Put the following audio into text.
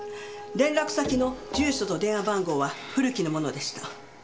連絡先の住所と電話番号は古木のものでした。